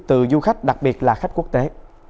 từ du khách đặc biệt là khách quốc tế